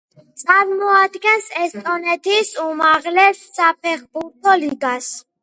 წარმოადგენს ესტონეთის უმაღლეს საფეხბურთო ლიგას.